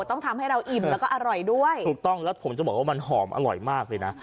ต้องทำให้เราอิ่มแล้วก็อร่อยด้วยถูกต้องแล้วผมจะบอกว่ามันหอมอร่อยมากเลยนะ